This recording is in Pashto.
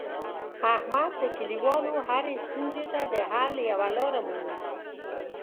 احمد د کلیوالو هرې ستونزې ته د حل یوه لاره مومي.